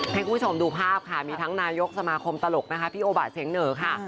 ให้คุณผู้ชมดูภาพค่ะมีทั้งนายกสมาคมตลกนะคะพี่โอบะเสียงเหนอค่ะ